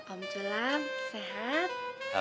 om sulam sehat